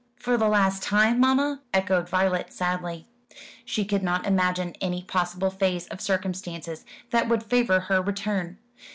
"For the last time, mamma!" echoed Violet sadly. She could not imagine any possible phase of circumstances that would favour her return.